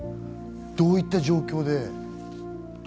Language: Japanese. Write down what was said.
どういった状況で？